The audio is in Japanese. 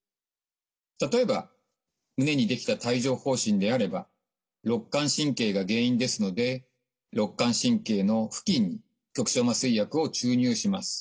例えば胸にできた帯状ほう疹であればろっ間神経が原因ですのでろっ間神経の付近に局所麻酔薬を注入します。